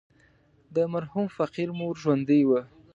د مرحوم فقير مور ژوندۍ وه.